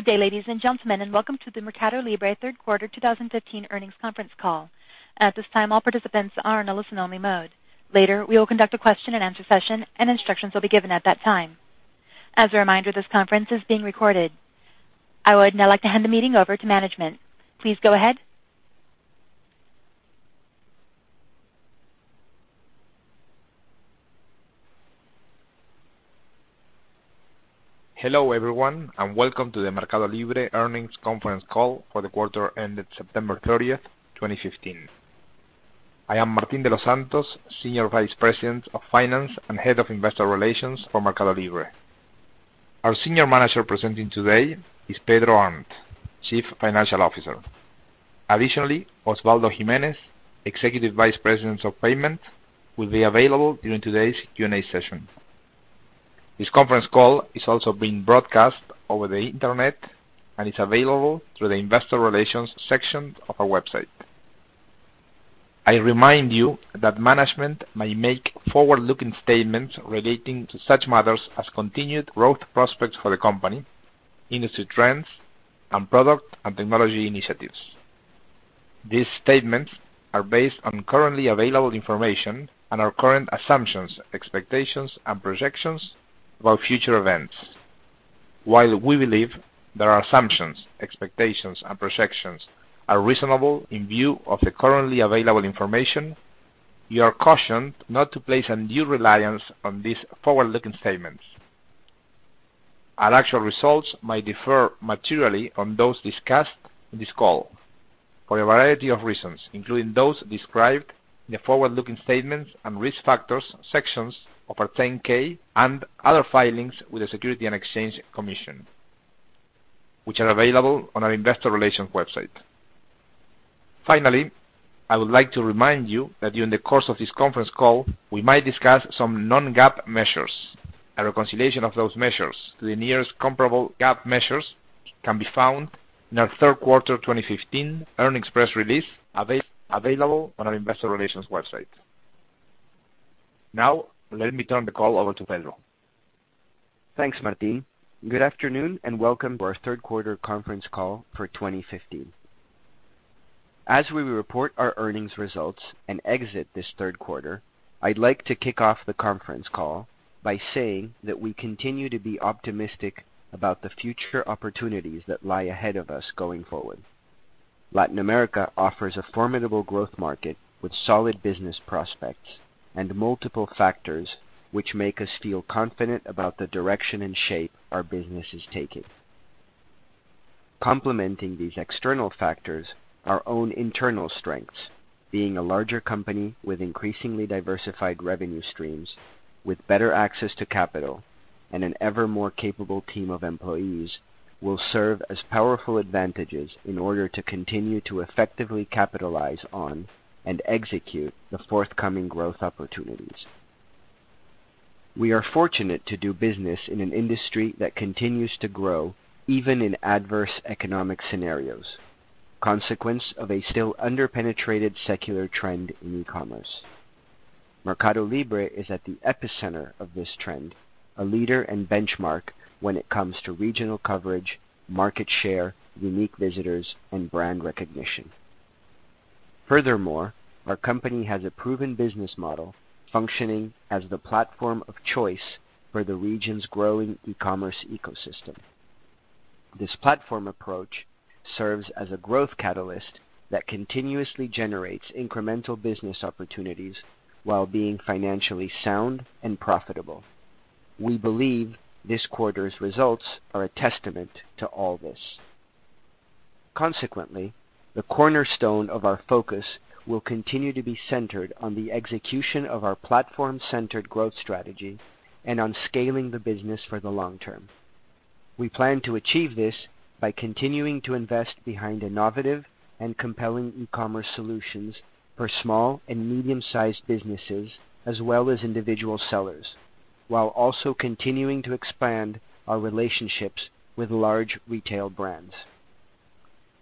Good day, ladies and gentlemen, and welcome to the MercadoLibre third quarter 2015 earnings conference call. At this time, all participants are in a listen-only mode. Later, we will conduct a question-and-answer session, and instructions will be given at that time. As a reminder, this conference is being recorded. I would now like to hand the meeting over to management. Please go ahead. Hello, everyone, and welcome to the MercadoLibre earnings conference call for the quarter ended September 30th, 2015. I am Martín de los Santos, Senior Vice President of Finance and Head of Investor Relations for MercadoLibre. Our senior manager presenting today is Pedro Arnt, Chief Financial Officer. Additionally, Osvaldo Gimenez, Executive Vice President of Payments, will be available during today's Q&A session. This conference call is also being broadcast over the internet and is available through the investor relations section of our website. I remind you that management may make forward-looking statements relating to such matters as continued growth prospects for the company, industry trends, and product and technology initiatives. These statements are based on currently available information and our current assumptions, expectations, and projections about future events. While we believe that our assumptions, expectations, and projections are reasonable in view of the currently available information, you are cautioned not to place undue reliance on these forward-looking statements. Our actual results might differ materially from those discussed in this call for a variety of reasons, including those described in the forward-looking statements and risk factors sections of our 10-K and other filings with the Securities and Exchange Commission, which are available on our investor relations website. Finally, I would like to remind you that during the course of this conference call, we might discuss some non-GAAP measures. A reconciliation of those measures to the nearest comparable GAAP measures can be found in our third quarter 2015 earnings press release, available on our investor relations website. Now, let me turn the call over to Pedro. Thanks, Martín. Good afternoon, and welcome to our third quarter conference call for 2015. As we report our earnings results and exit this third quarter, I'd like to kick off the conference call by saying that we continue to be optimistic about the future opportunities that lie ahead of us going forward. Latin America offers a formidable growth market with solid business prospects and multiple factors, which make us feel confident about the direction and shape our business is taking. Complementing these external factors, our own internal strengths, being a larger company with increasingly diversified revenue streams, with better access to capital, and an ever more capable team of employees, will serve as powerful advantages in order to continue to effectively capitalize on and execute the forthcoming growth opportunities. We are fortunate to do business in an industry that continues to grow even in adverse economic scenarios, consequence of a still under-penetrated secular trend in e-commerce. MercadoLibre is at the epicenter of this trend, a leader and benchmark when it comes to regional coverage, market share, unique visitors, and brand recognition. Furthermore, our company has a proven business model functioning as the platform of choice for the region's growing e-commerce ecosystem. This platform approach serves as a growth catalyst that continuously generates incremental business opportunities while being financially sound and profitable. We believe this quarter's results are a testament to all this. Consequently, the cornerstone of our focus will continue to be centered on the execution of our platform-centered growth strategy and on scaling the business for the long term. We plan to achieve this by continuing to invest behind innovative and compelling e-commerce solutions for small and medium-sized businesses as well as individual sellers, while also continuing to expand our relationships with large retail brands.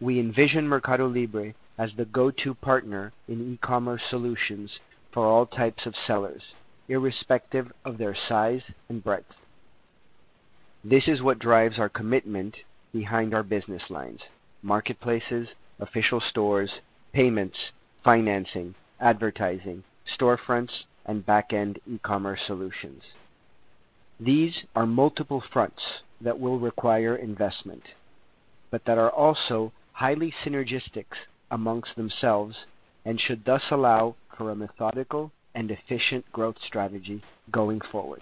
We envision MercadoLibre as the go-to partner in e-commerce solutions for all types of sellers, irrespective of their size and breadth. This is what drives our commitment behind our business lines: marketplaces, official stores, payments, financing, advertising, storefronts, and back-end e-commerce solutions. These are multiple fronts that will require investment, that are also highly synergistic amongst themselves and should thus allow for a methodical and efficient growth strategy going forward.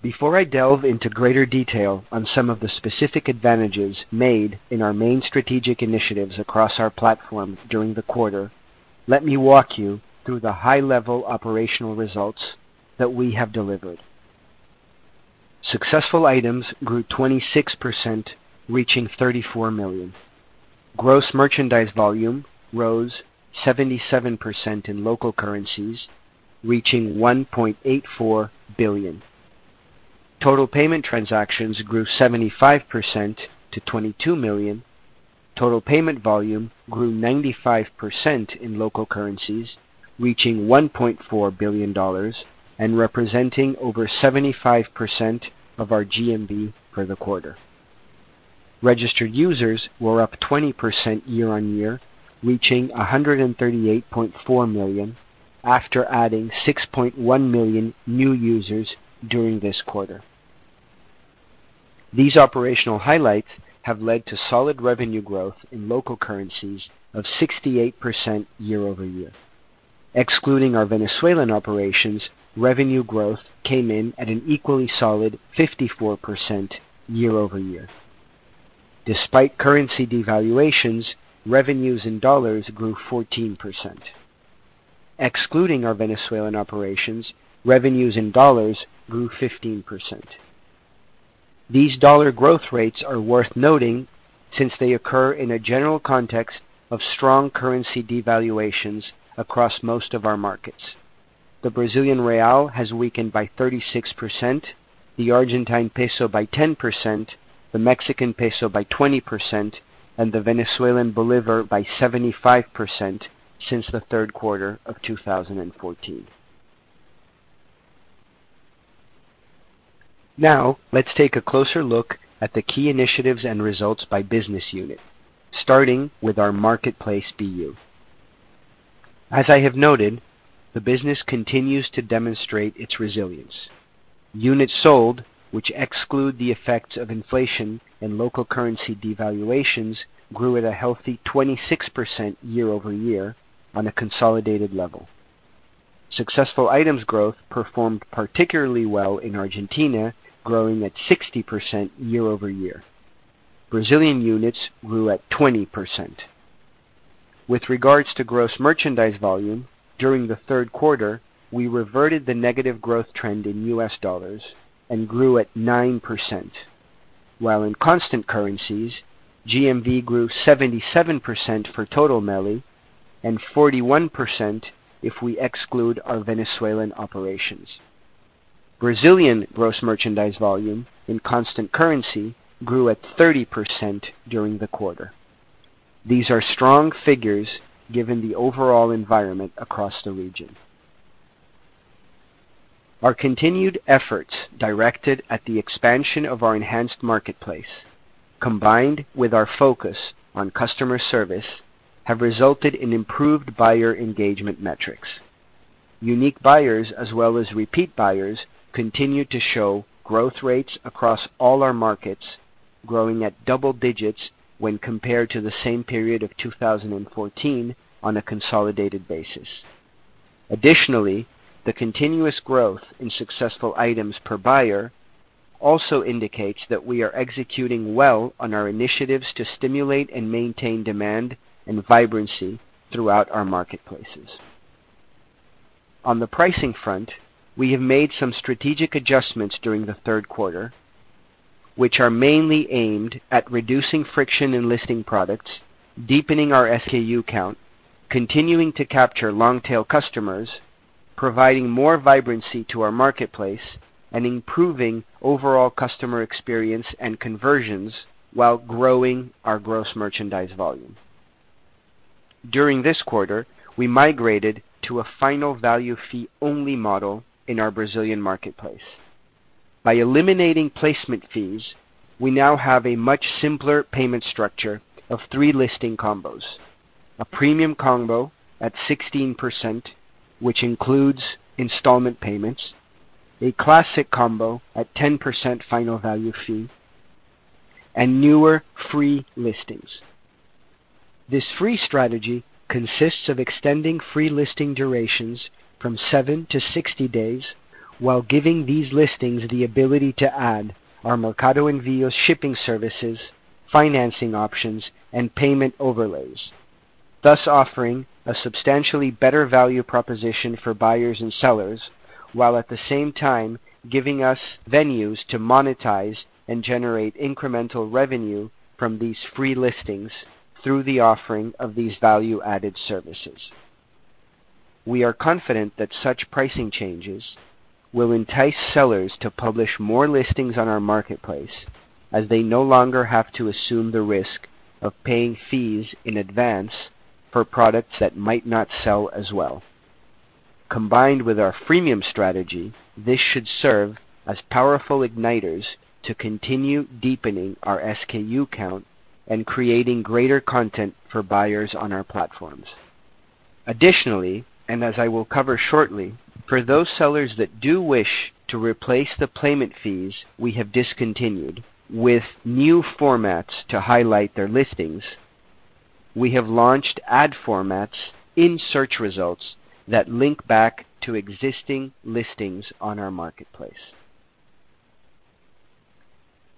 Before I delve into greater detail on some of the specific advantages made in our main strategic initiatives across our platform during the quarter, let me walk you through the high-level operational results that we have delivered. Successful items grew 26%, reaching 34 million. Gross merchandise volume rose 77% in local currencies, reaching $1.84 billion. Total payment transactions grew 75% to 22 million. Total payment volume grew 95% in local currencies, reaching $1.4 billion and representing over 75% of our GMV for the quarter. Registered users were up 20% year-over-year, reaching 138.4 million after adding 6.1 million new users during this quarter. These operational highlights have led to solid revenue growth in local currencies of 68% year-over-year. Excluding our Venezuelan operations, revenue growth came in at an equally solid 54% year-over-year. Despite currency devaluations, revenues in dollars grew 14%. Excluding our Venezuelan operations, revenues in dollars grew 15%. These dollar growth rates are worth noting since they occur in a general context of strong currency devaluations across most of our markets. The BRL has weakened by 36%, the ARS by 10%, the MXN by 20%, and the VEF by 75% since the third quarter of 2014. Let's take a closer look at the key initiatives and results by business unit, starting with our marketplace BU. As I have noted, the business continues to demonstrate its resilience. Units sold, which exclude the effects of inflation and local currency devaluations, grew at a healthy 26% year-over-year on a consolidated level. Successful items growth performed particularly well in Argentina, growing at 60% year-over-year. Brazilian units grew at 20%. With regards to gross merchandise volume, during the third quarter, we reverted the negative growth trend in US dollars and grew at 9%, while in constant currencies, GMV grew 77% for total MELI and 41% if we exclude our Venezuelan operations. Brazilian gross merchandise volume in constant currency grew at 30% during the quarter. These are strong figures given the overall environment across the region. Our continued efforts directed at the expansion of our enhanced marketplace, combined with our focus on customer service, have resulted in improved buyer engagement metrics. Unique buyers as well as repeat buyers continue to show growth rates across all our markets, growing at double digits when compared to the same period of 2014 on a consolidated basis. Additionally, the continuous growth in successful items per buyer also indicates that we are executing well on our initiatives to stimulate and maintain demand and vibrancy throughout our marketplaces. On the pricing front, we have made some strategic adjustments during the third quarter, which are mainly aimed at reducing friction in listing products, deepening our SKU count, continuing to capture long-tail customers, providing more vibrancy to our marketplace, and improving overall customer experience and conversions while growing our gross merchandise volume. During this quarter, we migrated to a final value fee-only model in our Brazilian marketplace. By eliminating placement fees, we now have a much simpler payment structure of 3 listing combos: a premium combo at 16%, which includes installment payments, a classic combo at 10% final value fee, and newer free listings. This free strategy consists of extending free listing durations from 7 to 60 days while giving these listings the ability to add our Mercado Envios shipping services, financing options, and payment overlays, thus offering a substantially better value proposition for buyers and sellers, while at the same time giving us venues to monetize and generate incremental revenue from these free listings through the offering of these value-added services. We are confident that such pricing changes will entice sellers to publish more listings on our marketplace as they no longer have to assume the risk of paying fees in advance for products that might not sell as well. Combined with our freemium strategy, this should serve as powerful igniters to continue deepening our SKU count and creating greater content for buyers on our platforms. As I will cover shortly, for those sellers that do wish to replace the payment fees we have discontinued with new formats to highlight their listings, we have launched ad formats in search results that link back to existing listings on our marketplace.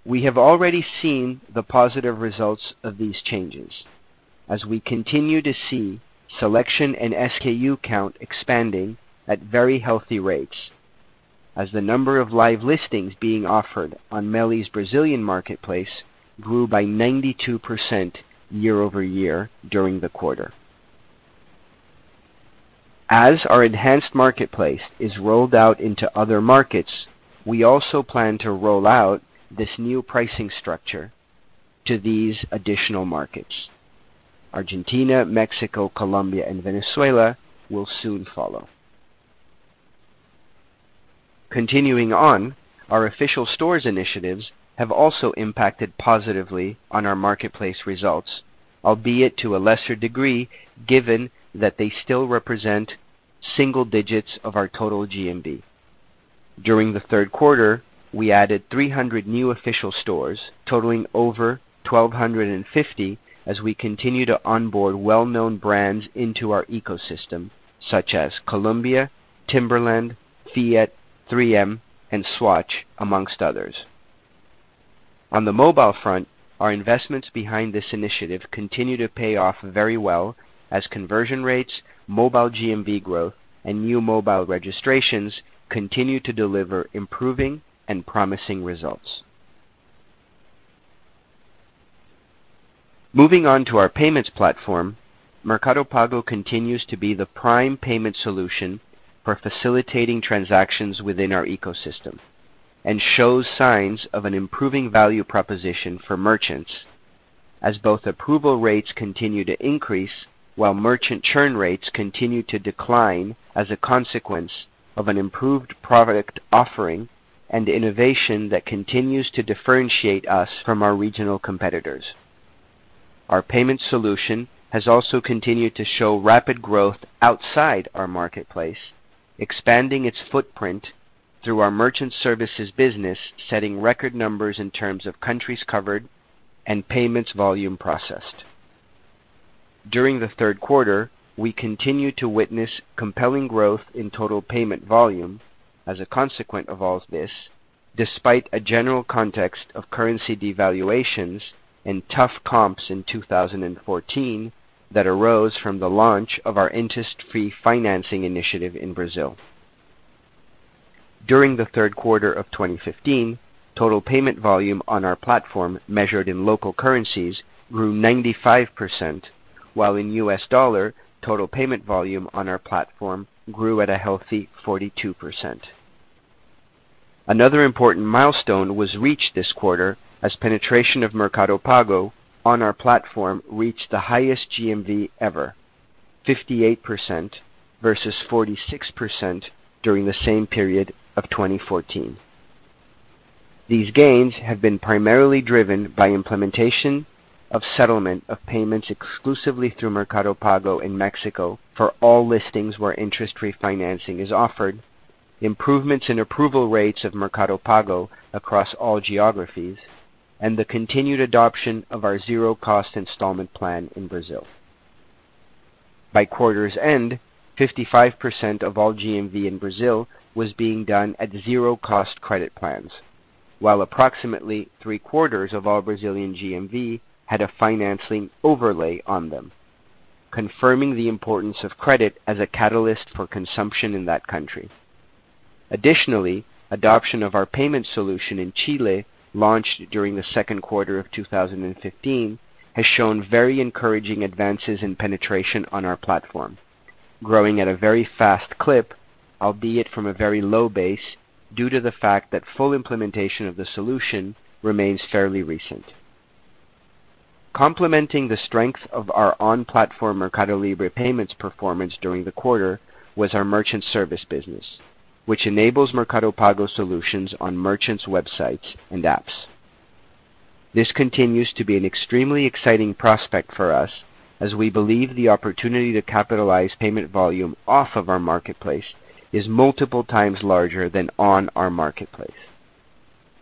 We have already seen the positive results of these changes as we continue to see selection and SKU count expanding at very healthy rates as the number of live listings being offered on MELI's Brazilian marketplace grew by 92% year-over-year during the quarter. As our enhanced marketplace is rolled out into other markets, we also plan to roll out this new pricing structure to these additional markets. Argentina, Mexico, Colombia, and Venezuela will soon follow. Our official stores initiatives have also impacted positively on our marketplace results, albeit to a lesser degree, given that they still represent single digits of our total GMV. During the third quarter, we added 300 new official stores totaling over 1,250 as we continue to onboard well-known brands into our ecosystem, such as Columbia, Timberland, Fiat, 3M, and Swatch, amongst others. On the mobile front, our investments behind this initiative continue to pay off very well as conversion rates, mobile GMV growth, and new mobile registrations continue to deliver improving and promising results. Moving on to our payments platform, Mercado Pago continues to be the prime payment solution for facilitating transactions within our ecosystem and shows signs of an improving value proposition for merchants as both approval rates continue to increase while merchant churn rates continue to decline as a consequence of an improved product offering and innovation that continues to differentiate us from our regional competitors. Our payment solution has also continued to show rapid growth outside our marketplace, expanding its footprint through our merchant services business, setting record numbers in terms of countries covered and payments volume processed. During the third quarter, we continued to witness compelling growth in total payment volume as a consequence of all this, despite a general context of currency devaluations and tough comps in 2014 that arose from the launch of our interest-free financing initiative in Brazil. During the third quarter of 2015, total payment volume on our platform measured in local currencies grew 95%, while in US dollar, total payment volume on our platform grew at a healthy 42%. Another important milestone was reached this quarter as penetration of Mercado Pago on our platform reached the highest GMV ever, 58% versus 46% during the same period of 2014. These gains have been primarily driven by implementation of settlement of payments exclusively through Mercado Pago in Mexico for all listings where interest-free financing is offered, improvements in approval rates of Mercado Pago across all geographies, and the continued adoption of our zero-cost installment plan in Brazil. By quarter's end, 55% of all GMV in Brazil was being done at zero cost credit plans, while approximately three-quarters of all Brazilian GMV had a financing overlay on them, confirming the importance of credit as a catalyst for consumption in that country. Additionally, adoption of our payment solution in Chile, launched during the second quarter of 2015, has shown very encouraging advances in penetration on our platform, growing at a very fast clip, albeit from a very low base, due to the fact that full implementation of the solution remains fairly recent. Complementing the strength of our on-platform MercadoLibre payments performance during the quarter was our merchant service business, which enables Mercado Pago solutions on merchants' websites and apps. This continues to be an extremely exciting prospect for us as we believe the opportunity to capitalize payment volume off of our marketplace is multiple times larger than on our marketplace.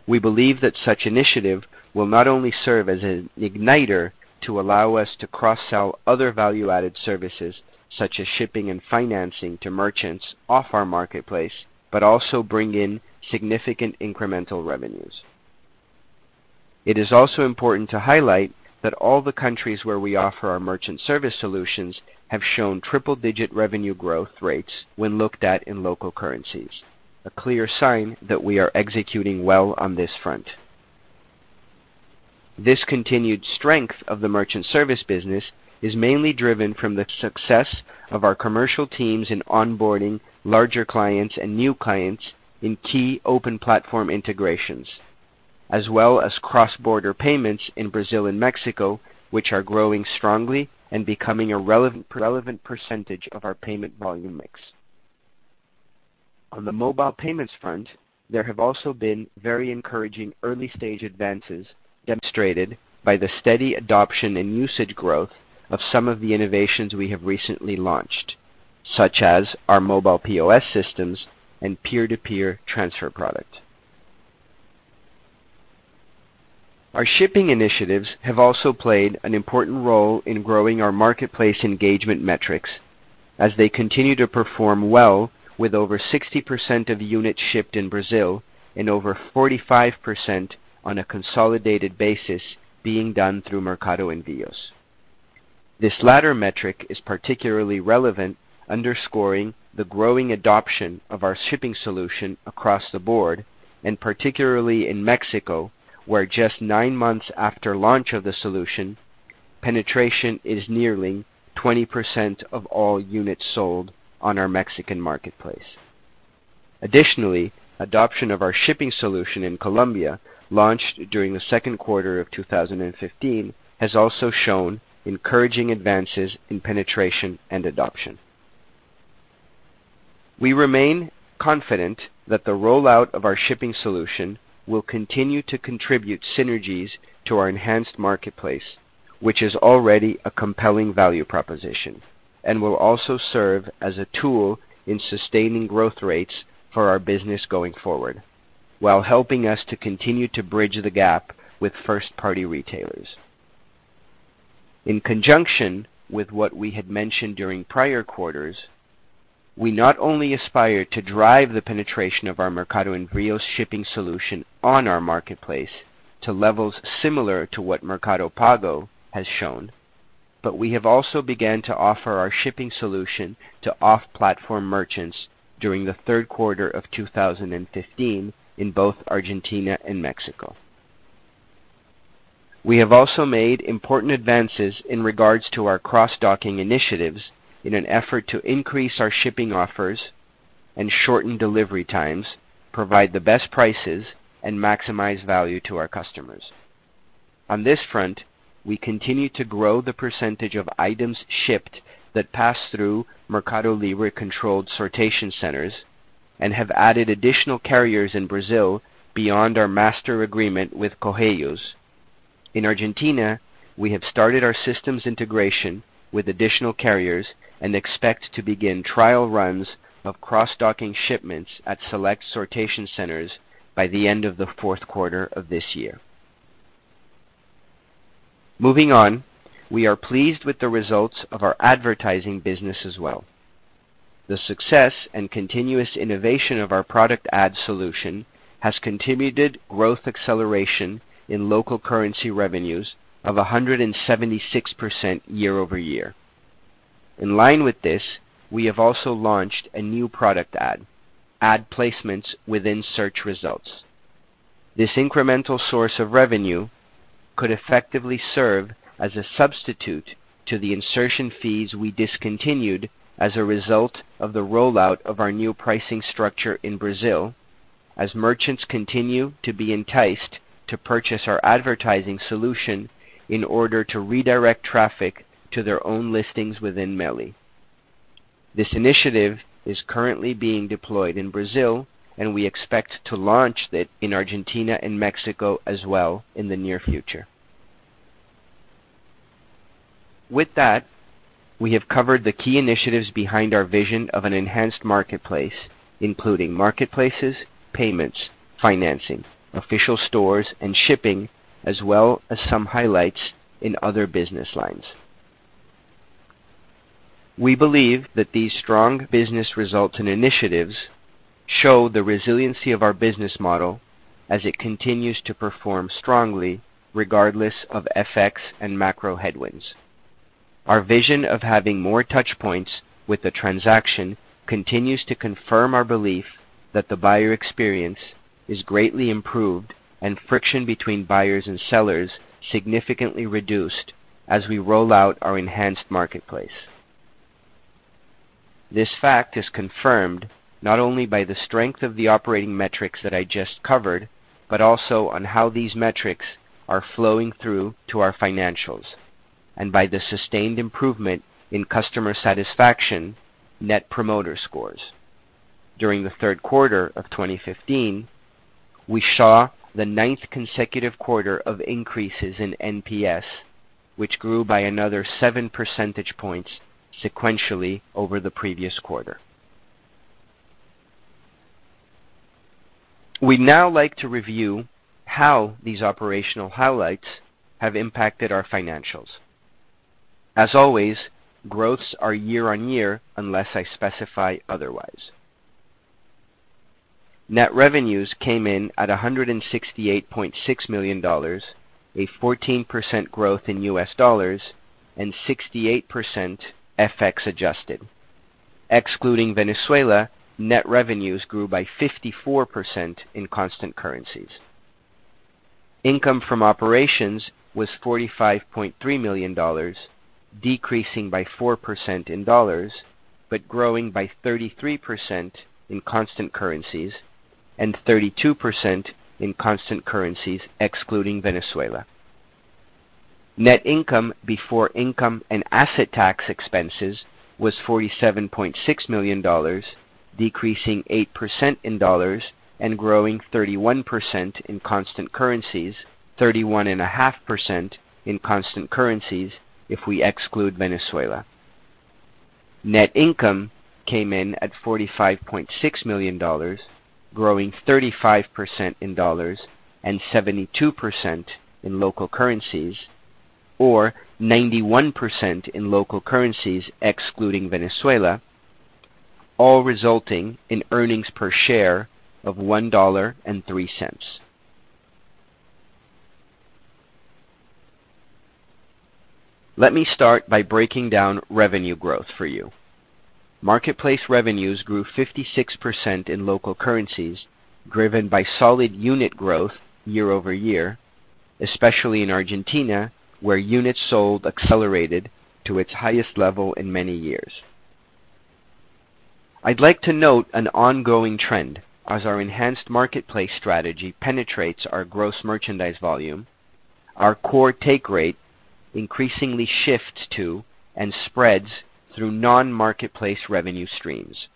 We believe that such initiative will not only serve as an igniter to allow us to cross-sell other value-added services such as shipping and financing to merchants off our marketplace, but also bring in significant incremental revenues. It is also important to highlight that all the countries where we offer our merchant service solutions have shown triple-digit revenue growth rates when looked at in local currencies, a clear sign that we are executing well on this front. This continued strength of the merchant service business is mainly driven from the success of our commercial teams in onboarding larger clients and new clients in key open platform integrations, as well as cross-border payments in Brazil and Mexico, which are growing strongly and becoming a relevant percentage of our payment volume mix. On the mobile payments front, there have also been very encouraging early-stage advances demonstrated by the steady adoption and usage growth of some of the innovations we have recently launched, such as our mobile POS systems and peer-to-peer transfer product. Our shipping initiatives have also played an important role in growing our marketplace engagement metrics as they continue to perform well with over 60% of units shipped in Brazil and over 45% on a consolidated basis being done through Mercado Envios. This latter metric is particularly relevant, underscoring the growing adoption of our shipping solution across the board, and particularly in Mexico, where just nine months after launch of the solution penetration is nearly 20% of all units sold on our Mexican marketplace. Additionally, adoption of our shipping solution in Colombia, launched during the second quarter of 2015, has also shown encouraging advances in penetration and adoption. We remain confident that the rollout of our shipping solution will continue to contribute synergies to our enhanced marketplace, which is already a compelling value proposition, and will also serve as a tool in sustaining growth rates for our business going forward while helping us to continue to bridge the gap with first-party retailers. In conjunction with what we had mentioned during prior quarters, we not only aspire to drive the penetration of our Mercado Envios shipping solution on our marketplace to levels similar to what Mercado Pago has shown, but we have also began to offer our shipping solution to off-platform merchants during the third quarter of 2015 in both Argentina and Mexico. We have also made important advances in regards to our cross-docking initiatives in an effort to increase our shipping offers and shorten delivery times, provide the best prices, and maximize value to our customers. On this front, we continue to grow the percentage of items shipped that pass through MercadoLibre-controlled sortation centers and have added additional carriers in Brazil beyond our master agreement with Correios. In Argentina, we have started our systems integration with additional carriers and expect to begin trial runs of cross-docking shipments at select sortation centers by the end of the fourth quarter of this year. Moving on, we are pleased with the results of our advertising business as well. The success and continuous innovation of our product ad solution has continued growth acceleration in local currency revenues of 176% year-over-year. In line with this, we have also launched a new product ad placements within search results. This incremental source of revenue could effectively serve as a substitute to the insertion fees we discontinued as a result of the rollout of our new pricing structure in Brazil, as merchants continue to be enticed to purchase our advertising solution in order to redirect traffic to their own listings within MELI. This initiative is currently being deployed in Brazil. We expect to launch it in Argentina and Mexico as well in the near future. With that, we have covered the key initiatives behind our vision of an enhanced marketplace, including marketplaces, payments, financing, official stores, and shipping, as well as some highlights in other business lines. We believe that these strong business results and initiatives show the resiliency of our business model as it continues to perform strongly regardless of FX and macro headwinds. Our vision of having more touchpoints with the transaction continues to confirm our belief that the buyer experience is greatly improved and friction between buyers and sellers significantly reduced as we roll out our enhanced marketplace. This fact is confirmed not only by the strength of the operating metrics that I just covered, but also on how these metrics are flowing through to our financials and by the sustained improvement in customer satisfaction net promoter scores. During the third quarter of 2015, we saw the ninth consecutive quarter of increases in NPS, which grew by another seven percentage points sequentially over the previous quarter. We'd now like to review how these operational highlights have impacted our financials. As always, growths are year-over-year unless I specify otherwise. Net revenues came in at $168.6 million, a 14% growth in US dollars and 68% FX-adjusted. Excluding Venezuela, net revenues grew by 54% in constant currencies. Income from operations was $45.3 million, decreasing by 4% in dollars, but growing by 33% in constant currencies and 32% in constant currencies excluding Venezuela. Net income before income and asset tax expenses was $47.6 million, decreasing 8% in dollars and growing 31% in constant currencies, 31.5% in constant currencies if we exclude Venezuela. Net income came in at $45.6 million, growing 35% in dollars and 72% in local currencies, or 91% in local currencies excluding Venezuela, all resulting in earnings per share of $1.03. Let me start by breaking down revenue growth for you. Marketplace revenues grew 56% in local currencies, driven by solid unit growth year-over-year, especially in Argentina, where units sold accelerated to its highest level in many years. I'd like to note an ongoing trend. As our enhanced marketplace strategy penetrates our gross merchandise volume, our core take rate increasingly shifts to and spreads through non-marketplace revenue streams.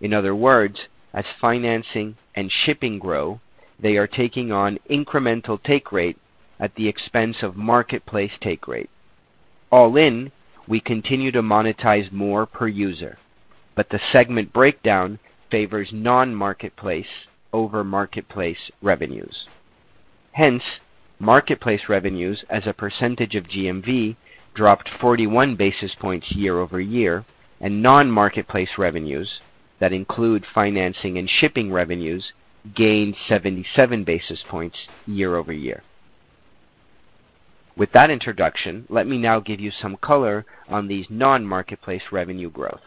In other words, as financing and shipping grow, they are taking on incremental take rate at the expense of marketplace take rate. All in, we continue to monetize more per user, but the segment breakdown favors non-marketplace over marketplace revenues. Hence, marketplace revenues as a percentage of GMV dropped 41 basis points year-over-year, and non-marketplace revenues, that include financing and shipping revenues, gained 77 basis points year-over-year. With that introduction, let me now give you some color on these non-marketplace revenue growth.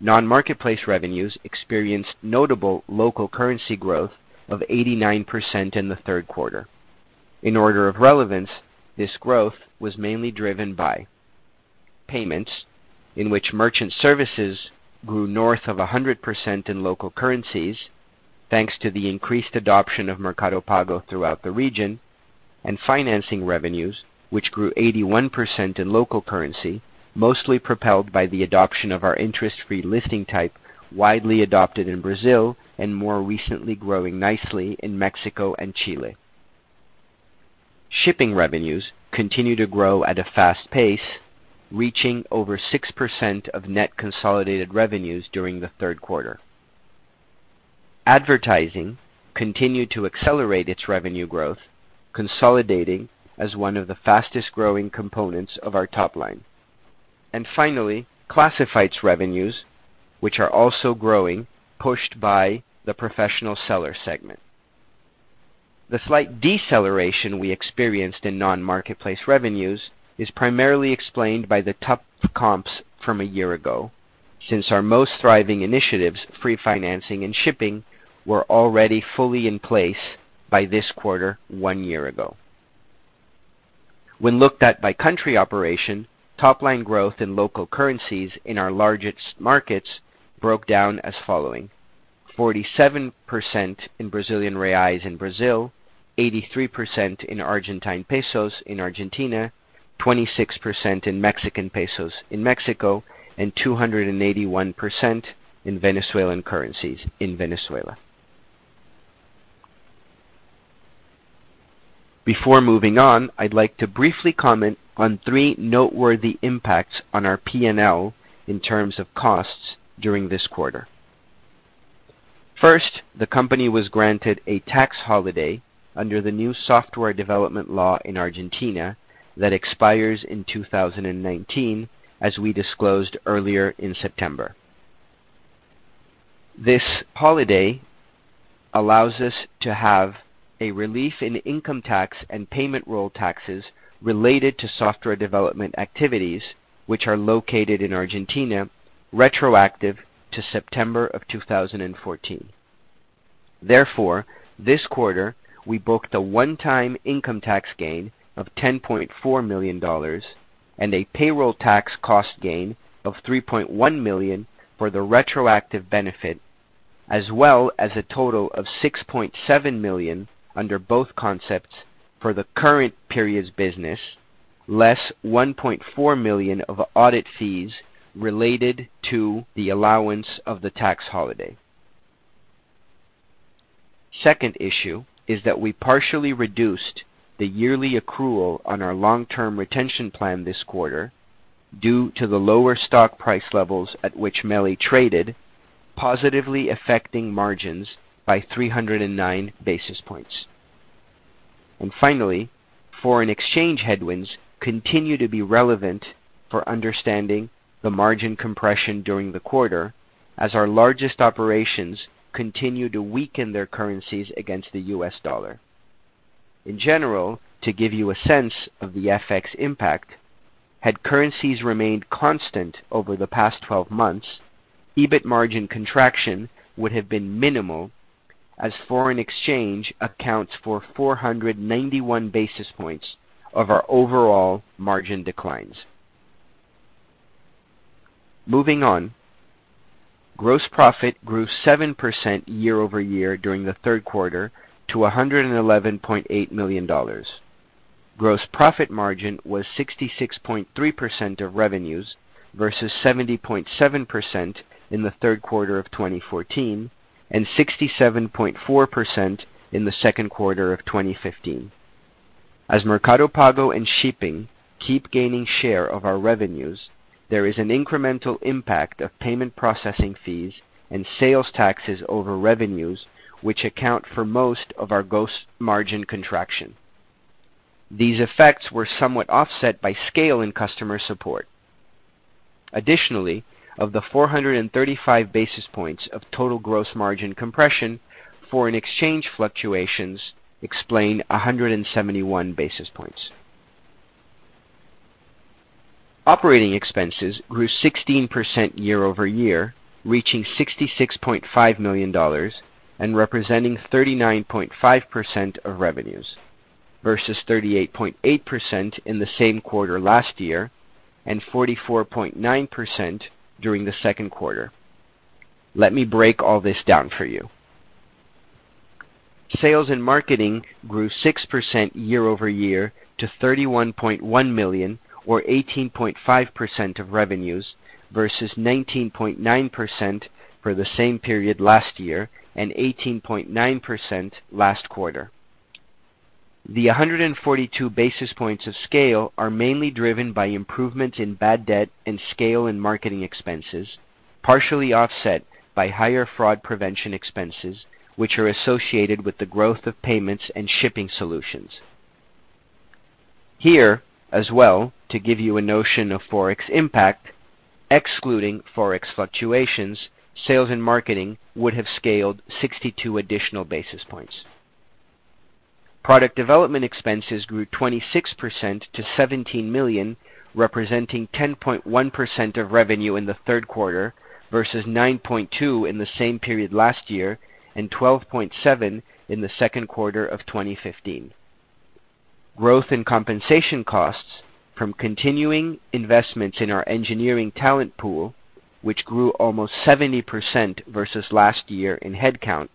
Non-marketplace revenues experienced notable local currency growth of 89% in the third quarter. In order of relevance, this growth was mainly driven by payments in which merchant services grew north of 100% in local currencies, thanks to the increased adoption of Mercado Pago throughout the region, and financing revenues, which grew 81% in local currency, mostly propelled by the adoption of our interest-free listing type, widely adopted in Brazil and more recently growing nicely in Mexico and Chile. Shipping revenues continue to grow at a fast pace, reaching over 6% of net consolidated revenues during the third quarter. Advertising continued to accelerate its revenue growth, consolidating as one of the fastest-growing components of our top line. Finally, Classifieds revenues, which are also growing, pushed by the professional seller segment. The slight deceleration we experienced in non-marketplace revenues is primarily explained by the tough comps from a year ago, since our most thriving initiatives, free financing and shipping, were already fully in place by this quarter one year ago. When looked at by country operation, top-line growth in local currencies in our largest markets broke down as following: 47% in Brazilian reais in Brazil, 83% in Argentine pesos in Argentina, 26% in Mexican pesos in Mexico, and 281% in Venezuelan currencies in Venezuela. Before moving on, I'd like to briefly comment on three noteworthy impacts on our P&L in terms of costs during this quarter. First, the company was granted a tax holiday under the new software development law in Argentina that expires in 2019, as we disclosed earlier in September. This holiday allows us to have a relief in income tax and payroll taxes related to software development activities, which are located in Argentina, retroactive to September of 2014. Therefore, this quarter, we booked a one-time income tax gain of $10.4 million and a payroll tax cost gain of $3.1 million for the retroactive benefit, as well as a total of $6.7 million under both concepts for the current period's business, less $1.4 million of audit fees related to the allowance of the tax holiday. Second issue is that we partially reduced the yearly accrual on our long-term retention plan this quarter due to the lower stock price levels at which MELI traded, positively affecting margins by 309 basis points. Finally, foreign exchange headwinds continue to be relevant for understanding the margin compression during the quarter as our largest operations continue to weaken their currencies against the U.S. dollar. In general, to give you a sense of the FX impact, had currencies remained constant over the past 12 months, EBIT margin contraction would have been minimal, as foreign exchange accounts for 491 basis points of our overall margin declines. Moving on. Gross profit grew 7% year-over-year during the third quarter to $111.8 million. Gross profit margin was 66.3% of revenues versus 70.7% in the third quarter of 2014 and 67.4% in the second quarter of 2015. As Mercado Pago and shipping keep gaining share of our revenues, there is an incremental impact of payment processing fees and sales taxes over revenues, which account for most of our gross margin contraction. These effects were somewhat offset by scale in customer support. Additionally, of the 435 basis points of total gross margin compression, foreign exchange fluctuations explain 171 basis points. Operating expenses grew 16% year-over-year, reaching $66.5 million and representing 39.5% of revenues, versus 38.8% in the same quarter last year and 44.9% during the second quarter. Let me break all this down for you. Sales and marketing grew 6% year-over-year to $31.1 million or 18.5% of revenues versus 19.9% for the same period last year and 18.9% last quarter. The 142 basis points of scale are mainly driven by improvement in bad debt and scale in marketing expenses, partially offset by higher fraud prevention expenses which are associated with the growth of payments and shipping solutions. Here as well, to give you a notion of Forex impact, excluding Forex fluctuations, sales and marketing would have scaled 62 additional basis points. Product development expenses grew 26% to $17 million, representing 10.1% of revenue in the third quarter versus 9.2% in the same period last year and 12.7% in the second quarter of 2015. Growth in compensation costs from continuing investments in our engineering talent pool, which grew almost 70% versus last year in headcount,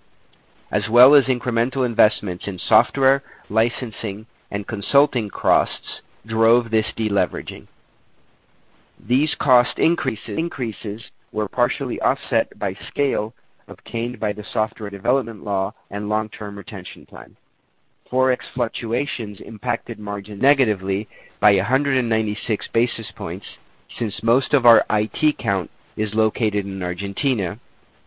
as well as incremental investments in software licensing and consulting costs drove this de-leveraging. These cost increases were partially offset by scale obtained by the software development law and long-term retention plan. Forex fluctuations impacted margin negatively by 196 basis points since most of our IT count is located in Argentina,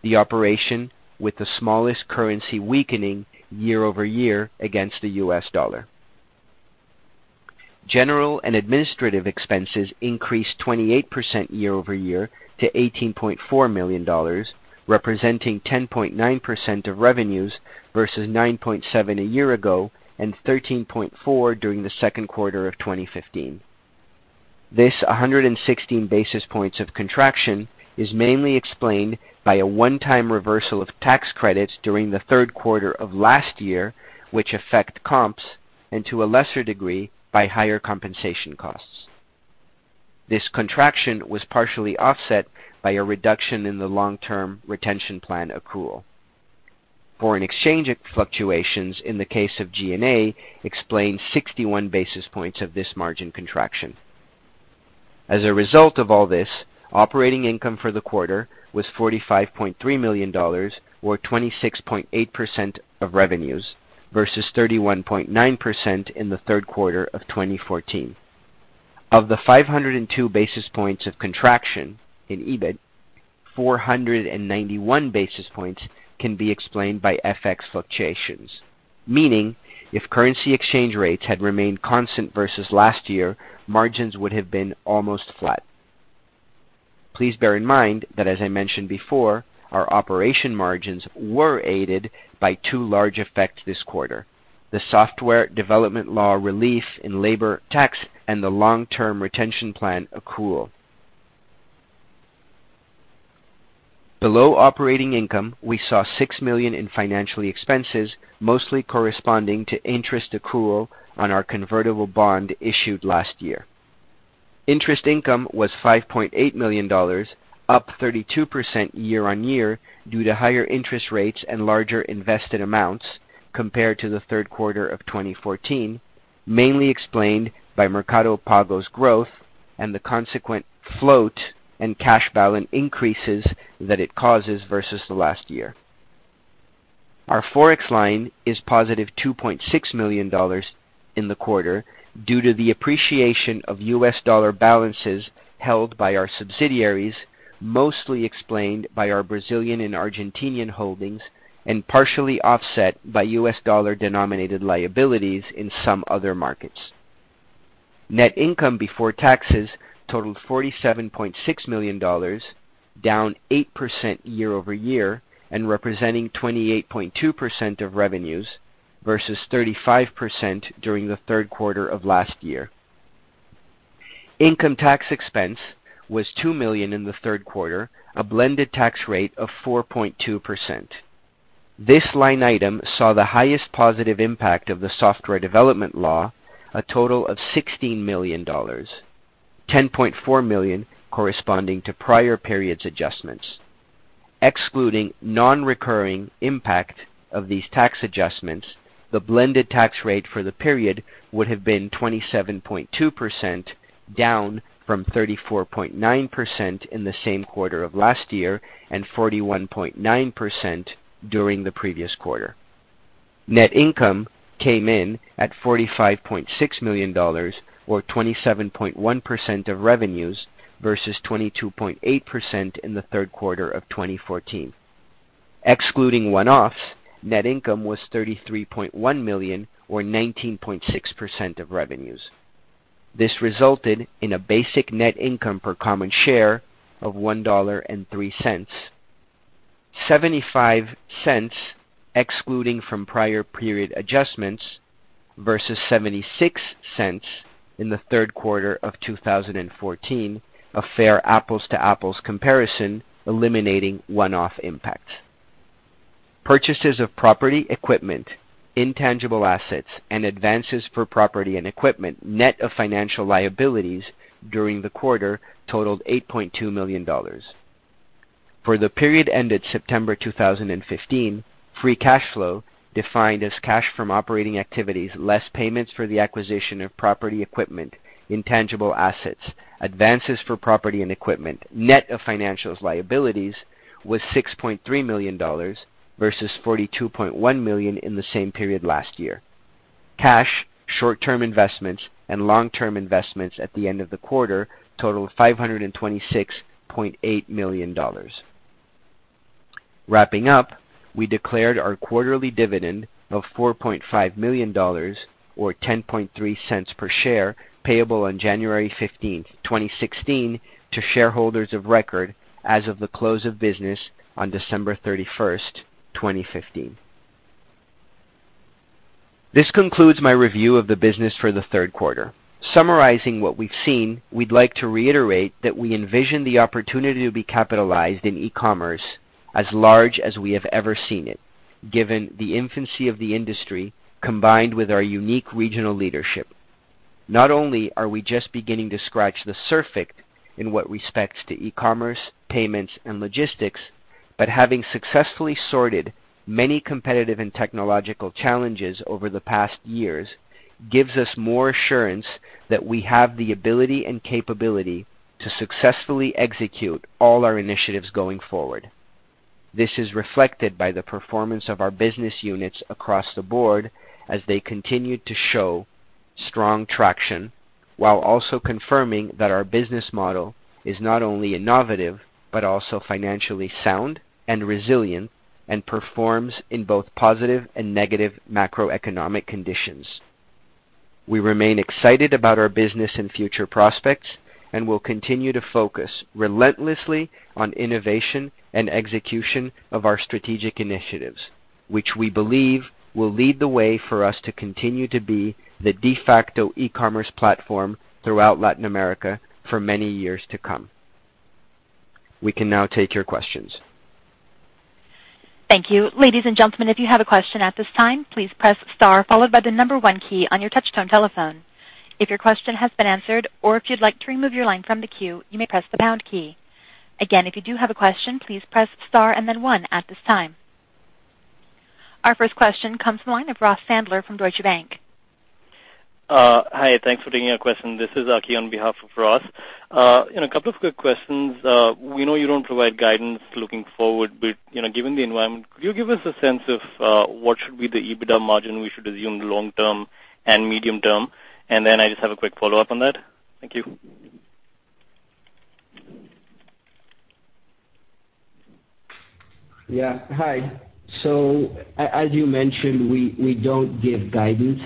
the operation with the smallest currency weakening year-over-year against the U.S. dollar. General and administrative expenses increased 28% year-over-year to $18.4 million, representing 10.9% of revenues versus 9.7% a year ago and 13.4% during the second quarter of 2015. This 116 basis points of contraction is mainly explained by a one-time reversal of tax credits during the third quarter of last year, which affect comps, and to a lesser degree, by higher compensation costs. This contraction was partially offset by a reduction in the long-term retention plan accrual. Foreign exchange fluctuations in the case of G&A explained 61 basis points of this margin contraction. As a result of all this, operating income for the quarter was $45.3 million or 26.8% of revenues versus 31.9% in the third quarter of 2014. Of the 502 basis points of contraction in EBIT, 491 basis points can be explained by FX fluctuations, meaning if currency exchange rates had remained constant versus last year, margins would have been almost flat. Please bear in mind that as I mentioned before, our operation margins were aided by two large effects this quarter: the software development law relief in labor tax and the long-term retention plan accrual. Below operating income, we saw $6 million in financial expenses, mostly corresponding to interest accrual on our convertible bond issued last year. Interest income was $5.8 million, up 32% year-on-year due to higher interest rates and larger invested amounts compared to the third quarter of 2014, mainly explained by Mercado Pago's growth and the consequent float and cash balance increases that it causes versus the last year. Our Forex line is positive $2.6 million in the quarter due to the appreciation of U.S. dollar balances held by our subsidiaries, mostly explained by our Brazilian and Argentinian holdings, and partially offset by U.S. dollar-denominated liabilities in some other markets. Net income before taxes totaled $47.6 million, down 8% year-over-year and representing 28.2% of revenues versus 35% during the third quarter of last year. Income tax expense was $2 million in the third quarter, a blended tax rate of 4.2%. This line item saw the highest positive impact of the software development law, a total of $16 million, $10.4 million corresponding to prior period adjustments. Excluding non-recurring impact of these tax adjustments, the blended tax rate for the period would have been 27.2% down from 34.9% in the same quarter of last year and 41.9% during the previous quarter. Net income came in at $45.6 million or 27.1% of revenues versus 22.8% in the third quarter of 2014. Excluding one-offs, net income was $33.1 million or 19.6% of revenues. This resulted in a basic net income per common share of $1.03. $0.75 excluding from prior period adjustments versus $0.76 in the third quarter of 2014, a fair apples-to-apples comparison eliminating one-off impacts. Purchases of property, equipment, intangible assets, and advances for property and equipment net of financial liabilities during the quarter totaled $8.2 million. For the period ended September 2015, free cash flow defined as cash from operating activities, less payments for the acquisition of property equipment, intangible assets, advances for property and equipment, net of financial liabilities, was $6.3 million versus $42.1 million in the same period last year. Cash, short-term investments, and long-term investments at the end of the quarter totaled $526.8 million. Wrapping up, we declared our quarterly dividend of $4.5 million, or $0.103 per share, payable on January 15th, 2016 to shareholders of record as of the close of business on December 31st, 2015. This concludes my review of the business for the third quarter. Summarizing what we've seen, we'd like to reiterate that we envision the opportunity to be capitalized in e-commerce as large as we have ever seen it, given the infancy of the industry, combined with our unique regional leadership. Not only are we just beginning to scratch the surface in what respects to e-commerce, payments, and logistics, but having successfully sorted many competitive and technological challenges over the past years gives us more assurance that we have the ability and capability to successfully execute all our initiatives going forward. This is reflected by the performance of our business units across the board as they continued to show strong traction, while also confirming that our business model is not only innovative, but also financially sound and resilient, and performs in both positive and negative macroeconomic conditions. We remain excited about our business and future prospects and will continue to focus relentlessly on innovation and execution of our strategic initiatives, which we believe will lead the way for us to continue to be the de facto e-commerce platform throughout Latin America for many years to come. We can now take your questions. Thank you. Ladies and gentlemen, if you have a question at this time, please press star followed by the number one key on your touchtone telephone. If your question has been answered or if you'd like to remove your line from the queue, you may press the pound key. Again, if you do have a question, please press star and then one at this time. Our first question comes from the line of Ross Sandler from Deutsche Bank. Hi, thanks for taking my question. This is Aki on behalf of Ross. A couple of quick questions. We know you don't provide guidance looking forward, given the environment, could you give us a sense of what should be the EBITDA margin we should assume long-term and medium-term? I just have a quick follow-up on that. Thank you. Yeah. Hi. As you mentioned, we don't give guidance.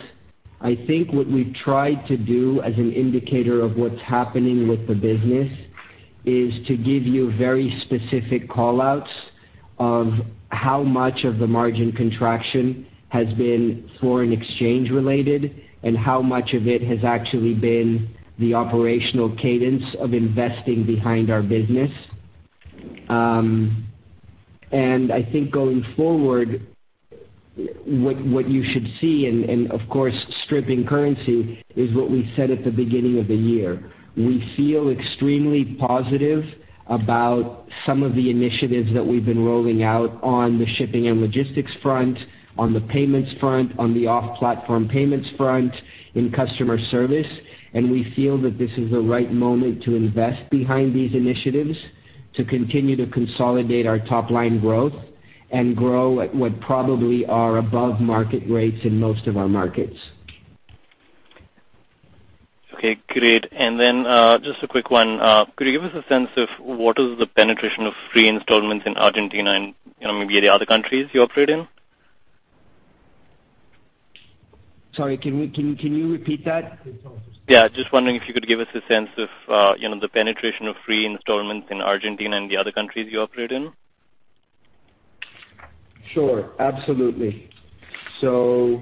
I think what we've tried to do as an indicator of what's happening with the business is to give you very specific call-outs of how much of the margin contraction has been foreign exchange related, and how much of it has actually been the operational cadence of investing behind our business. I think going forward, what you should see, and of course, stripping currency, is what we said at the beginning of the year. We feel extremely positive about some of the initiatives that we've been rolling out on the shipping and logistics front, on the payments front, on the off-platform payments front, in customer service, and we feel that this is the right moment to invest behind these initiatives to continue to consolidate our top-line growth and grow at what probably are above-market rates in most of our markets. Okay, great. Just a quick one. Could you give us a sense of what is the penetration of free installments in Argentina and maybe the other countries you operate in? Sorry, can you repeat that? Yeah. Just wondering if you could give us a sense of the penetration of free installments in Argentina and the other countries you operate in. Sure. Absolutely. Let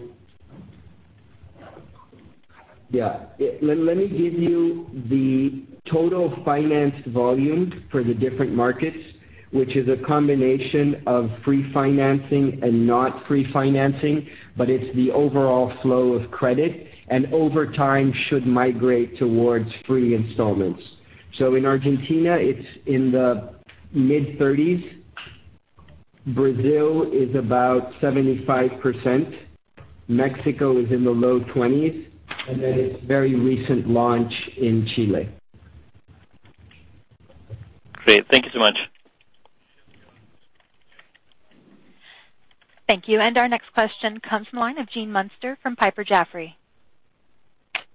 me give you the total financed volume for the different markets, which is a combination of free financing and not free financing, but it's the overall flow of credit, and over time should migrate towards free installments. In Argentina, it's in the mid-30s. Brazil is about 75%. Mexico is in the low 20s, and then it's very recent launch in Chile. Great. Thank you so much. Thank you. Our next question comes from the line of Gene Munster from Piper Jaffray.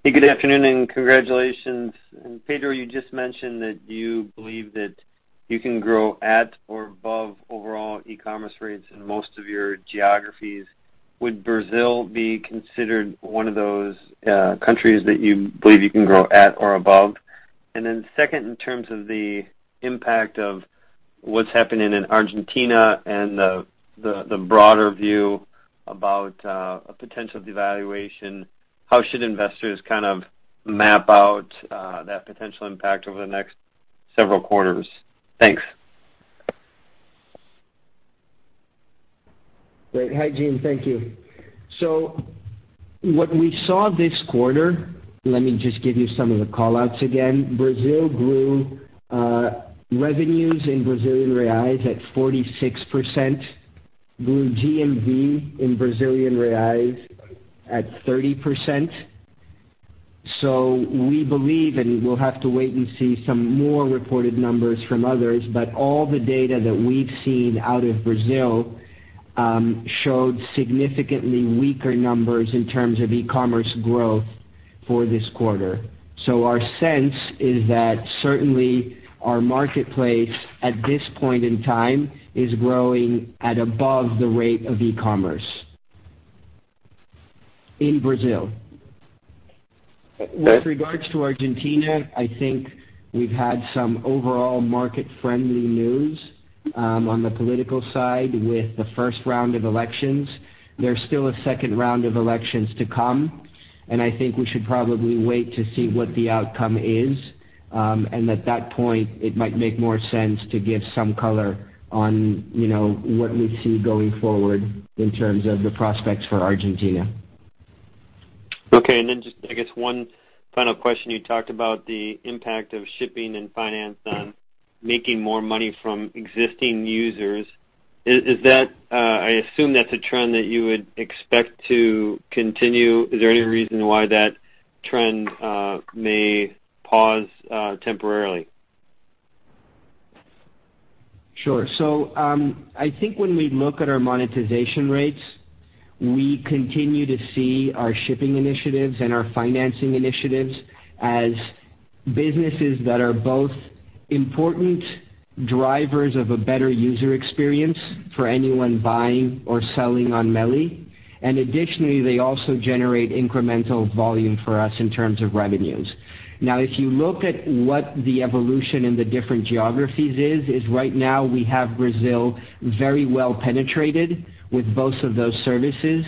Hey, good afternoon and congratulations. Pedro, you just mentioned that you believe that you can grow at or above overall e-commerce rates in most of your geographies. Would Brazil be considered one of those countries that you believe you can grow at or above? Second, in terms of the impact of what's happening in Argentina and the broader view about a potential devaluation. How should investors map out that potential impact over the next several quarters? Thanks. Great. Hi, Gene. Thank you. What we saw this quarter, let me just give you some of the call-outs again. Brazil grew revenues in BRL at 46%, grew GMV in BRL at 30%. We believe, and we'll have to wait and see some more reported numbers from others, but all the data that we've seen out of Brazil showed significantly weaker numbers in terms of e-commerce growth for this quarter. Our sense is that certainly our marketplace at this point in time is growing at above the rate of e-commerce in Brazil. With regards to Argentina, I think we've had some overall market-friendly news on the political side with the first round of elections. There's still a second round of elections to come, and I think we should probably wait to see what the outcome is. At that point, it might make more sense to give some color on what we see going forward in terms of the prospects for Argentina. Just, I guess, one final question. You talked about the impact of shipping and finance on making more money from existing users. I assume that's a trend that you would expect to continue. Is there any reason why that trend may pause temporarily? Sure. I think when we look at our monetization rates, we continue to see our shipping initiatives and our financing initiatives as businesses that are both important drivers of a better user experience for anyone buying or selling on MELI. Additionally, they also generate incremental volume for us in terms of revenues. If you look at what the evolution in the different geographies is right now we have Brazil very well penetrated with both of those services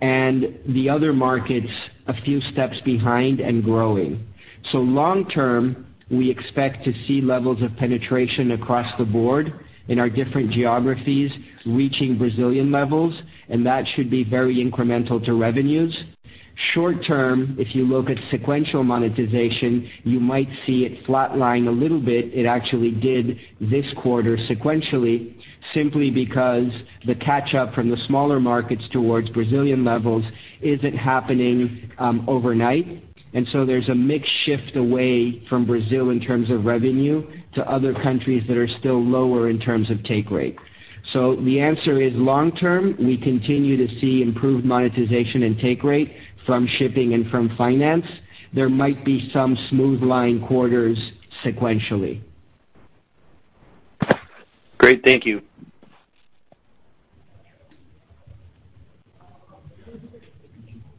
and the other markets a few steps behind and growing. Long term, we expect to see levels of penetration across the board in our different geographies, reaching Brazilian levels, and that should be very incremental to revenues. Short term, if you look at sequential monetization, you might see it flatlining a little bit. It actually did this quarter sequentially, simply because the catch-up from the smaller markets towards Brazilian levels isn't happening overnight. There's a mixed shift away from Brazil in terms of revenue to other countries that are still lower in terms of take rate. The answer is long term, we continue to see improved monetization and take rate from shipping and from finance. There might be some smooth line quarters sequentially. Great. Thank you.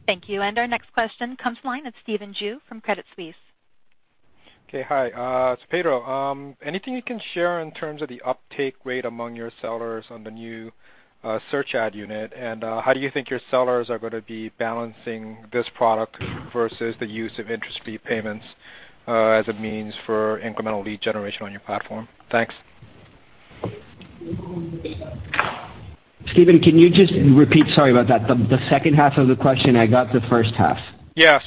Thank you. Our next question comes the line of Stephen Ju from Credit Suisse. Okay, hi. Pedro, anything you can share in terms of the uptake rate among your sellers on the new search ad unit? How do you think your sellers are going to be balancing this product versus the use of interest-free payments as a means for incremental lead generation on your platform? Thanks. Stephen, can you just repeat, sorry about that, the second half of the question? I got the first half. Yeah.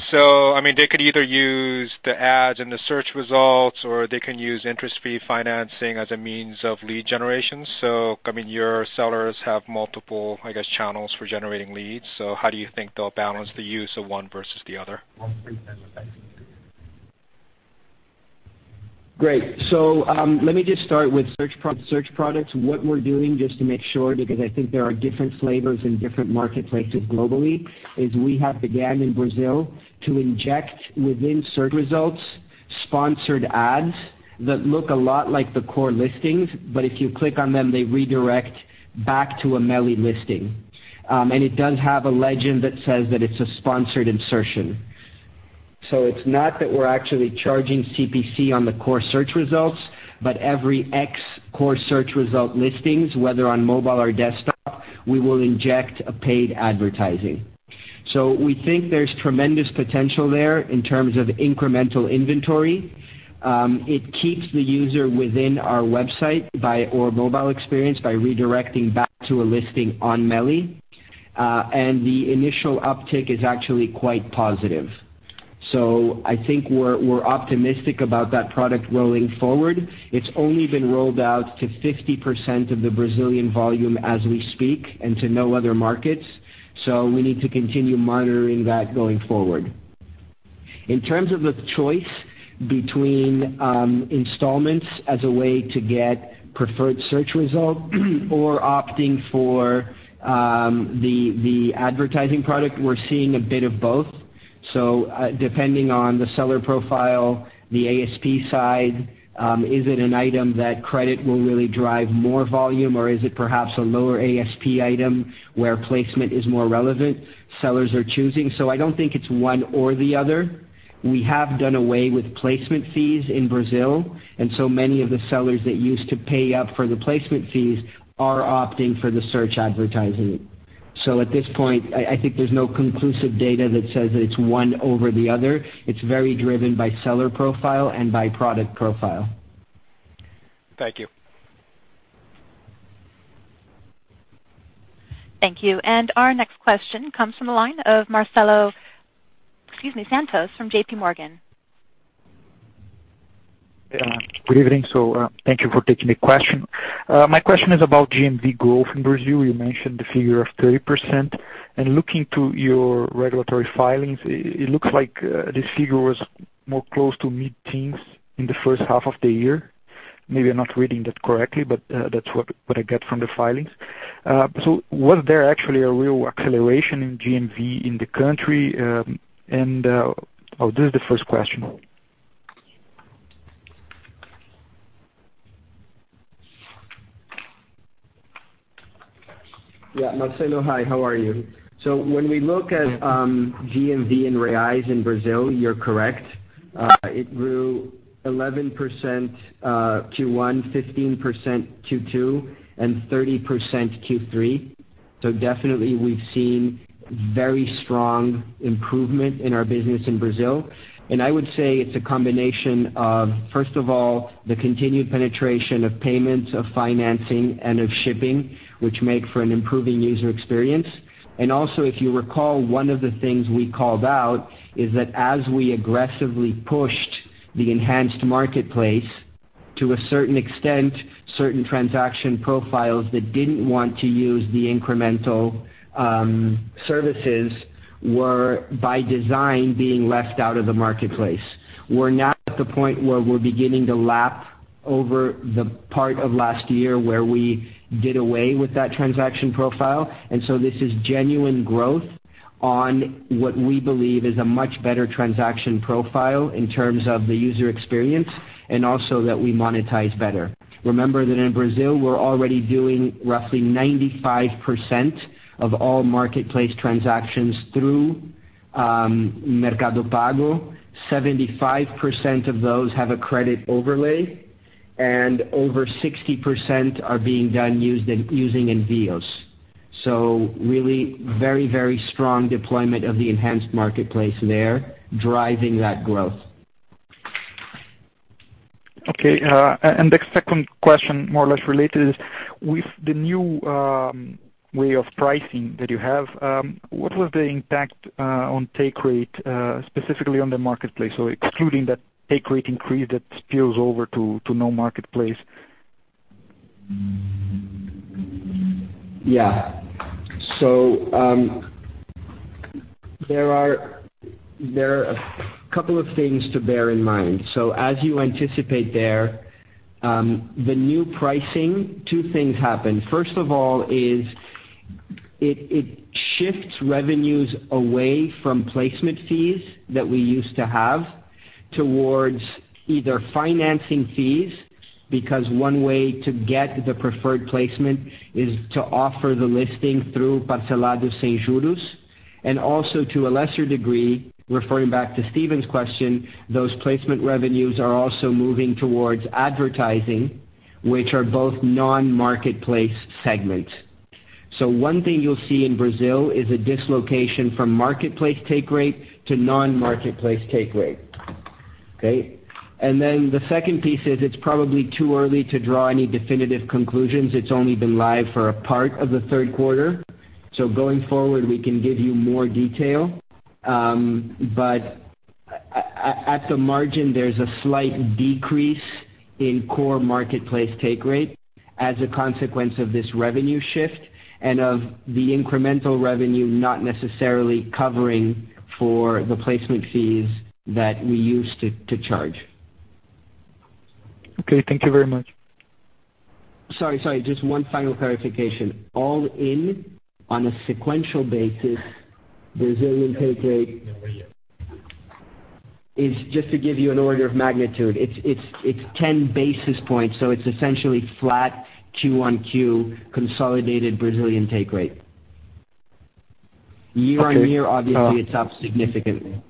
They could either use the ads and the search results, or they can use interest-free financing as a means of lead generation. Your sellers have multiple channels for generating leads. How do you think they'll balance the use of one versus the other? Great. Let me just start with search products. What we're doing, just to make sure, because I think there are different flavors in different marketplaces globally, is we have began in Brazil to inject within search results, sponsored ads that look a lot like the core listings. If you click on them, they redirect back to a MELI listing. It does have a legend that says that it's a sponsored insertion. It's not that we're actually charging CPC on the core search results, but every X core search result listings, whether on mobile or desktop, we will inject a paid advertising. We think there's tremendous potential there in terms of incremental inventory. It keeps the user within our website or mobile experience by redirecting back to a listing on MELI. The initial uptick is actually quite positive. I think we're optimistic about that product rolling forward. It's only been rolled out to 50% of the Brazilian volume as we speak and to no other markets, we need to continue monitoring that going forward. In terms of the choice between installments as a way to get preferred search results or opting for the advertising product, we're seeing a bit of both. Depending on the seller profile, the ASP side, is it an item that credit will really drive more volume or is it perhaps a lower ASP item where placement is more relevant? Sellers are choosing. I don't think it's one or the other. We have done away with placement fees in Brazil, many of the sellers that used to pay up for the placement fees are opting for the search advertising. At this point, I think there's no conclusive data that says that it's one over the other. It's very driven by seller profile and by product profile. Thank you. Thank you. Our next question comes from the line of Marcelo Santos from J.P. Morgan. Good evening. Thank you for taking the question. My question is about GMV growth in Brazil. You mentioned the figure of 30%, and looking to your regulatory filings, it looks like this figure was more close to mid-teens in the first half of the year. Maybe I'm not reading that correctly, but that's what I get from the filings. Was there actually a real acceleration in GMV in the country? This is the first question. Yeah, Marcelo, hi, how are you? When we look at GMV and BRL in Brazil, you're correct. It grew 11% Q1, 15% Q2, and 30% Q3. Definitely we've seen very strong improvement in our business in Brazil. I would say it's a combination of, first of all, the continued penetration of payments, of financing, and of shipping, which make for an improving user experience. Also, if you recall, one of the things we called out is that as we aggressively pushed the enhanced marketplace, to a certain extent, certain transaction profiles that didn't want to use the incremental services were by design, being left out of the marketplace. We're now at the point where we're beginning to lap over the part of last year where we did away with that transaction profile. This is genuine growth on what we believe is a much better transaction profile in terms of the user experience, and also that we monetize better. Remember that in Brazil, we are already doing roughly 95% of all marketplace transactions through Mercado Pago. 75% of those have a credit overlay, and over 60% are being done using envíos. Really, very strong deployment of the enhanced marketplace there, driving that growth. Okay. The second question, more or less related is, with the new way of pricing that you have, what was the impact on take rate, specifically on the marketplace? Excluding that take rate increase that spills over to no marketplace. Yeah. There are a couple of things to bear in mind. As you anticipate there, the new pricing, two things happen. First of all is it shifts revenues away from placement fees that we used to have towards either financing fees, because one way to get the preferred placement is to offer the listing through Parcelado Sem Juros, and also to a lesser degree, referring back to Stephen's question, those placement revenues are also moving towards advertising, which are both non-marketplace segments. One thing you will see in Brazil is a dislocation from marketplace take rate to non-marketplace take rate. Okay? The second piece is it is probably too early to draw any definitive conclusions. It is only been live for a part of the third quarter. Going forward, we can give you more detail. At the margin, there is a slight decrease in core marketplace take rate as a consequence of this revenue shift and of the incremental revenue not necessarily covering for the placement fees that we used to charge. Okay. Thank you very much. Sorry. Just one final clarification. All in, on a sequential basis, Brazilian take rate is just to give you an order of magnitude, it's 10 basis points. It's essentially flat Q1, Q consolidated Brazilian take rate. Year-on-year, obviously, it's up significantly.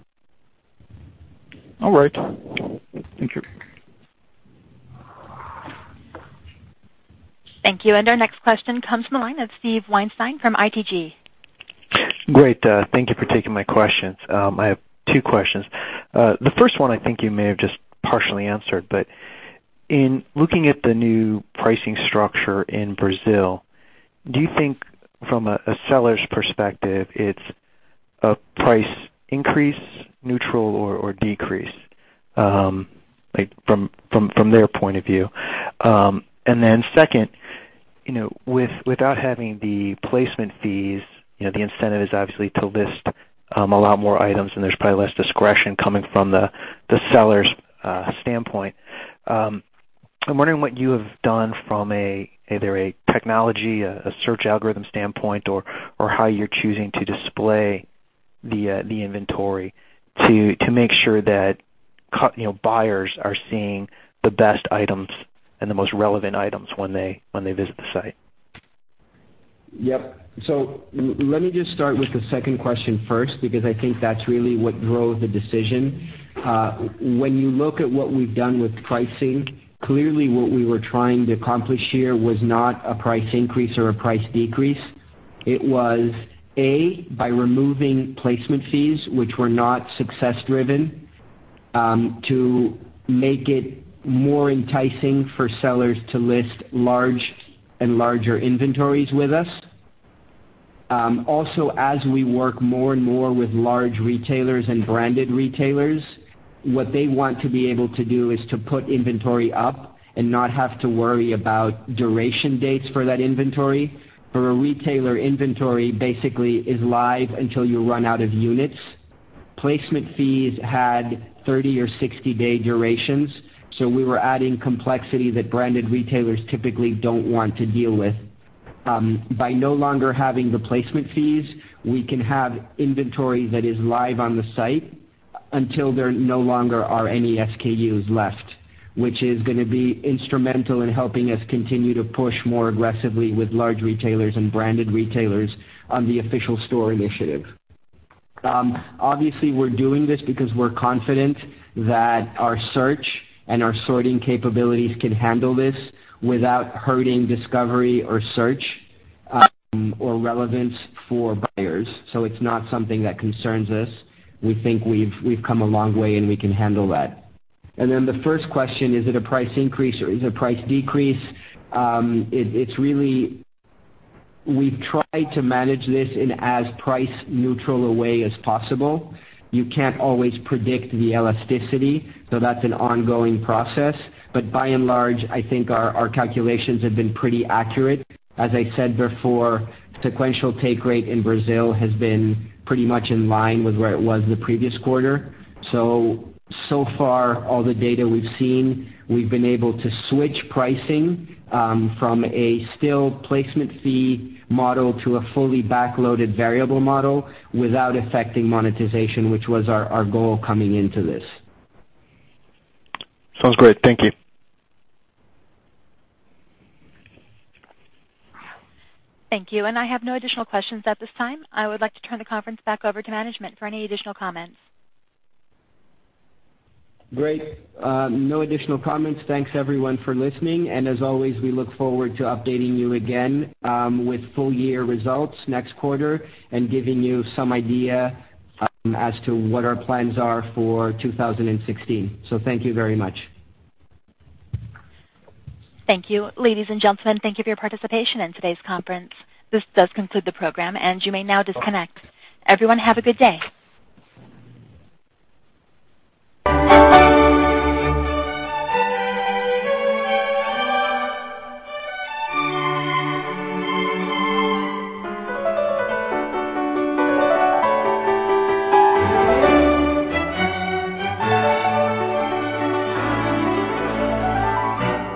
All right. Thank you. Thank you. Our next question comes from the line of Steve Weinstein from ITG. Great. Thank you for taking my questions. I have two questions. The first one I think you may have just partially answered, but in looking at the new pricing structure in Brazil, do you think from a seller's perspective it's a price increase, neutral, or decrease? From their point of view. Second, without having the placement fees, the incentive is obviously to list a lot more items, and there's probably less discretion coming from the seller's standpoint. I'm wondering what you have done from either a technology, a search algorithm standpoint or how you're choosing to display the inventory to make sure that buyers are seeing the best items and the most relevant items when they visit the site. Yep. Let me just start with the second question first, because I think that's really what drove the decision. When you look at what we've done with pricing, clearly what we were trying to accomplish here was not a price increase or a price decrease. It was, A, by removing placement fees, which were not success-driven, to make it more enticing for sellers to list large and larger inventories with us. Also, as we work more and more with large retailers and branded retailers, what they want to be able to do is to put inventory up and not have to worry about duration dates for that inventory. For a retailer, inventory basically is live until you run out of units. Placement fees had 30 or 60-day durations. We were adding complexity that branded retailers typically don't want to deal with. By no longer having the placement fees, we can have inventory that is live on the site until there no longer are any SKUs left, which is going to be instrumental in helping us continue to push more aggressively with large retailers and branded retailers on the official store initiative. Obviously, we're doing this because we're confident that our search and our sorting capabilities can handle this without hurting discovery or search or relevance for buyers. It's not something that concerns us. We think we've come a long way, and we can handle that. The first question, is it a price increase or is it a price decrease? We've tried to manage this in as price neutral a way as possible. You can't always predict the elasticity. That's an ongoing process. By and large, I think our calculations have been pretty accurate. As I said before, sequential take rate in Brazil has been pretty much in line with where it was the previous quarter. So far, all the data we've seen, we've been able to switch pricing from a still placement fee model to a fully back-loaded variable model without affecting monetization, which was our goal coming into this. Sounds great. Thank you. Thank you. I have no additional questions at this time. I would like to turn the conference back over to management for any additional comments. Great. No additional comments. Thanks, everyone, for listening. As always, we look forward to updating you again with full year results next quarter and giving you some idea as to what our plans are for 2016. Thank you very much. Thank you. Ladies and gentlemen, thank you for your participation in today's conference. This does conclude the program, and you may now disconnect. Everyone, have a good day.